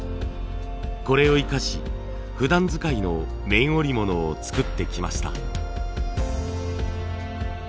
これを生かしふだん使いの綿織物を作ってきました。